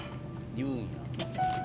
言うんや。